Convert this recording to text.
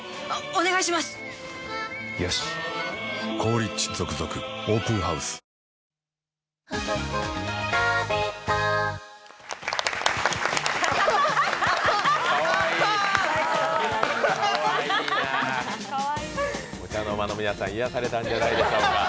お茶の間の皆さん、癒やされたんじゃないでしょうか。